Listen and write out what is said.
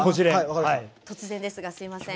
突然ですがすいません。